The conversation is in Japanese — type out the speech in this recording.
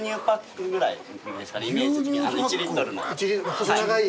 細長い。